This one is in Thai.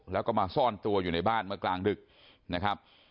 แล้วก็มาซ่อนตัวอยู่ในบ้านเมื่อกลางดึกนะครับ